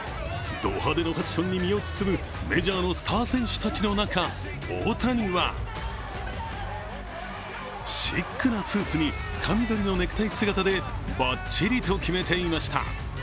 ド派手なファッションに身を包むメジャーのスター選手の中、大谷はシックなスーツに深緑のネクタイ姿でバッチリと決めていました。